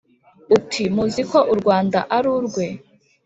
uti: muzi ko u rwanda ari urwe